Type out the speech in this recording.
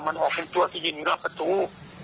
มันออกเป็นตัวที่ยืดในลักษณุ